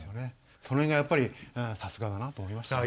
その辺がやっぱりさすがだなと思いましたよね。